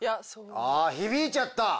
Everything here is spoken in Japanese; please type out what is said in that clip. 響いちゃった。